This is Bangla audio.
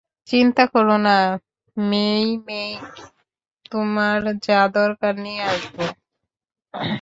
চিন্তা করো না, মেই-মেই, তোমার যা দরকার নিয়ে আসব।